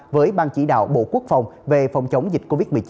với ban chỉ đạo bộ quốc phòng về phòng chống dịch covid một mươi chín